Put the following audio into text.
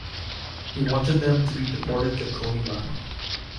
He wanted them to be deported to Kolyma.